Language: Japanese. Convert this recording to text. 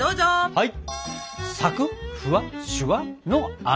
はい！